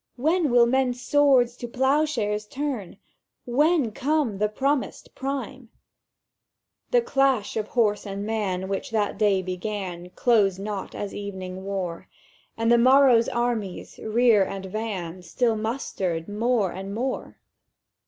When will men's swords to ploughshares turn? When come the promised prime?' ... "—The clash of horse and man which that day began, Closed not as evening wore; And the morrow's armies, rear and van, Still mustered more and more.